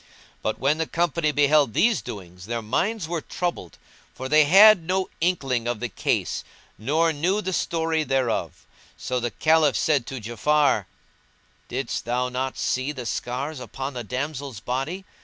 But when the company beheld these doings their minds were troubled, for they had no inkling of the case nor knew the story thereof; so the Caliph said to Ja'afar, "Didst thou not see the scars upon the damsel's body?